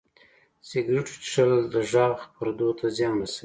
سګرټو څښل د غږ پردو ته زیان رسوي.